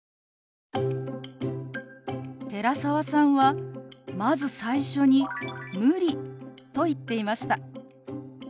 寺澤さんはまず最初に「無理」と言っていました。